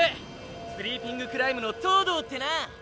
スリーピングクライムの東堂ってな！